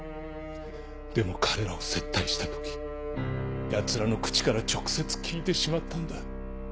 でも彼らを接待した時ヤツらの口から直接聞いてしまったんだ。